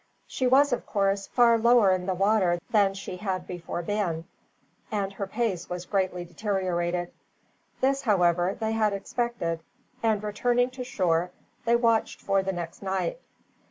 She was, of course, far lower in the water than she had before been, and her pace was greatly deteriorated. This, however, they had expected and, returning to shore, they watched for the next night.